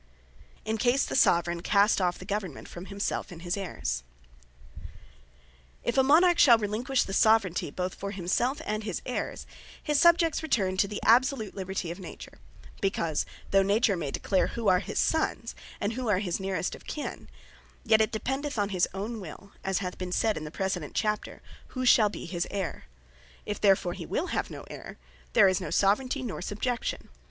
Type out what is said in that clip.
In Case The Soveraign Cast Off The Government From Himself And Heyrs If a Monarch shall relinquish the Soveraignty, both for himself, and his heires; His Subjects returne to the absolute Libertie of Nature; because, though Nature may declare who are his Sons, and who are the nerest of his Kin; yet it dependeth on his own will, (as hath been said in the precedent chapter,) who shall be his Heyr. If therefore he will have no Heyre, there is no Soveraignty, nor Subjection.